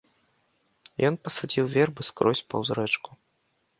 Ён пасадзіў вербы скрозь паўз рэчку.